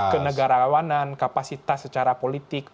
kenegaraan kapasitas secara politik